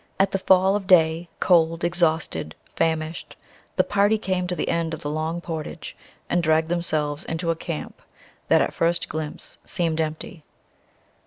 At the fall of day, cold, exhausted, famished, the party came to the end of the long portage and dragged themselves into a camp that at first glimpse seemed empty.